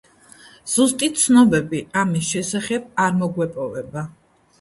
ზუსტი ცნობები ამის შესახებ არ მოგვეპოვება.